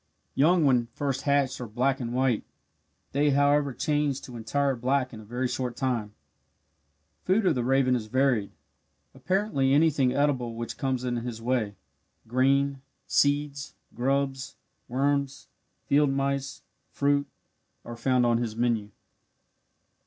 Young when first hatched are black and white they however change to entire black in a very short time. Food of the raven is varied, apparently anything edible which comes in his way grain, seeds, grubs, worms, field mice, fruit, are found on his menu.